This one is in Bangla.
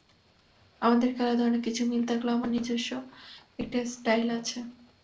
আমাদের খেলার ধরনে কিছু মিল থাকলেও আমার নিজস্ব একটা স্টাইল আছে।